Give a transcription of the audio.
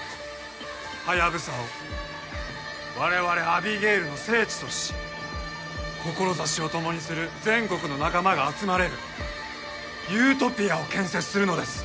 ハヤブサを我々アビゲイルの聖地とし志を共にする全国の仲間が集まれるユートピアを建設するのです。